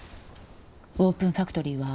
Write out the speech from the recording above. オープンファクトリーは？